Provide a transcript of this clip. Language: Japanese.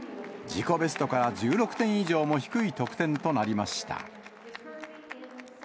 自己ベストから１６点以上も低い得点となりました。